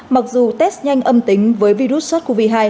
mặc dù test nhanh âm tính với virus sars cov hai